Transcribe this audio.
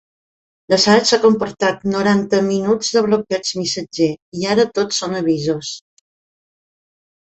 L'assaig ha comportat noranta minuts de bloqueig missatger, i ara tot són avisos.